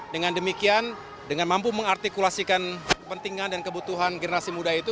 dengan demikian dengan mampu mengartikulasikan kepentingan dan kebutuhan generasi muda itu